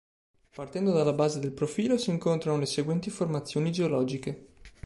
Partendo dalla base del profilo si incontrano le seguenti formazioni geologiche.